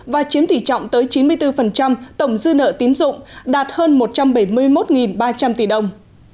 và chiếm tỷ trọng tới chín mươi bốn tổng dư nợ tín dụng đạt hơn một trăm bảy mươi một ba trăm linh tỷ đồng